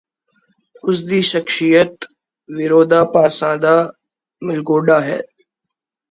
ਉਸ ਦੀ ਸ਼ਖਸ਼ੀਅਤ ਵਿਰੋਧਾਭਾਸਾਂ ਦਾ ਮਿਲਗੋਭਾ ਹੈ